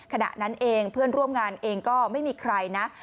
ขณะนั้นเองเพื่อนร่วมงานเองก็ไม่มีใครนะ